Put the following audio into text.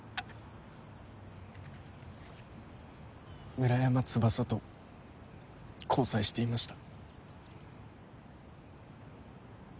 村山翼と交際していました。